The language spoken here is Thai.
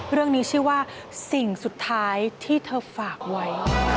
เรื่องนี้ชื่อว่าสิ่งสุดท้ายที่เธอฝากไว้